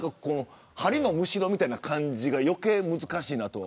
針のむしろみたいな感じが余計難しいなと。